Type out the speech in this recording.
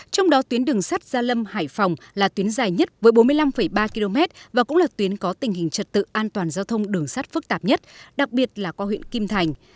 trong đó tuyến đường sắt gia lâm hải phòng là tuyến dài nhất với bốn mươi năm ba km và cũng là tuyến có tình hình trật tự an toàn giao thông đường sắt phức tạp nhất đặc biệt là qua huyện kim thành